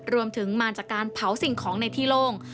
รวมถึงมาจากการเผาสิ่งของในที่โล่ง